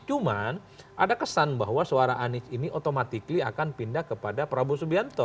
cuman ada kesan bahwa suara anies ini otomatik akan pindah kepada prabowo subianto